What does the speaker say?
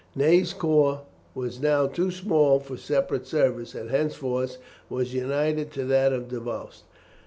Ney's corps was now too small for separate service, and henceforth was united to that of Davoust.